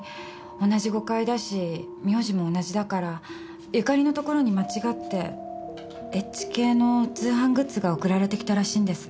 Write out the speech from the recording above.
同じ５階だし名字も同じだから由佳里のところに間違ってエッチ系の通販グッズが送られてきたらしいんです。